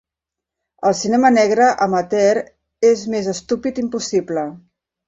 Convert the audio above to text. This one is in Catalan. El cinema negre amateur és més estúpid impossible.